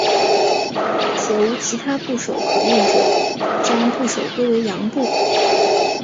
且无其他部首可用者将部首归为羊部。